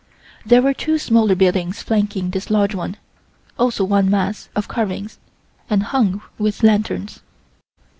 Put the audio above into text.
There were two smaller buildings flanking this large one, also one mass of carvings and hung with lanterns.